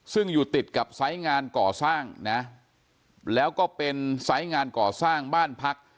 ซึ่งอยู่ติดกับไซส์งานก่อสร้างนะแล้วก็เป็นไซส์งานก่อสร้างบ้านพัก